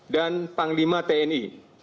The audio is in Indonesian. dan panglima tni